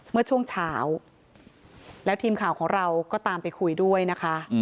เมื่อช่วงเช้าแล้วทีมข่าวของเราก็ตามไปคุยด้วยนะคะ